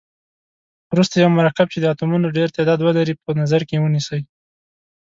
وروسته یو مرکب چې د اتومونو ډیر تعداد ولري په نظر کې ونیسئ.